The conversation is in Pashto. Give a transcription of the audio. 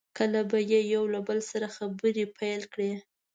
کله به یې یو له بل سره خبرې پیل کړې.